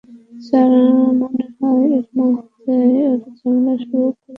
Sir, মনে হয় এর মধ্যেই ওরা ঝামেলা করা শুরু করে দিয়েছে।